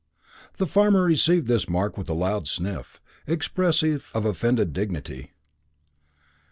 The farmer received this remark with a loud sniff, expressive of offended dignity.